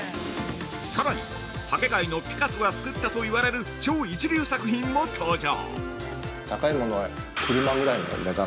◆さらに竹界のピカソが作ったといわれる超一流作品も登場。